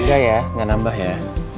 enggak ya nggak nambah ya